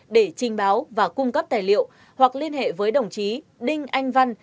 để trình báo và cung cấp tài liệu hoặc liên hệ với đồng chí đinh anh văn